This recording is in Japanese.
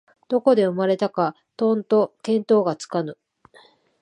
どこで生まれたかとんと見当がつかぬ